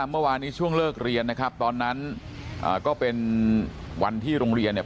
เมื่อวานนี้ช่วงเลิกเรียนนะครับตอนนั้นก็เป็นวันที่โรงเรียนเนี่ย